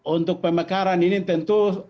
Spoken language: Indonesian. untuk pemekaran ini tentu